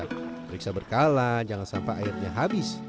periksa berkala jangan sampai airnya habis